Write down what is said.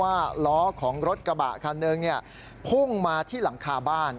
ล้อของรถกระบะคันหนึ่งพุ่งมาที่หลังคาบ้าน